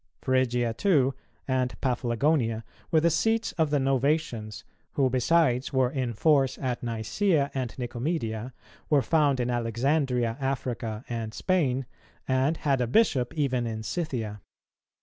Phrygia, too, and Paphlagonia were the seat of the Novatians, who besides were in force at Nicæa and Nicomedia, were found in Alexandria, Africa, and Spain, and had a bishop even in Scythia.